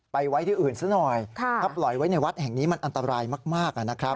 ไว้ที่อื่นซะหน่อยถ้าปล่อยไว้ในวัดแห่งนี้มันอันตรายมากนะครับ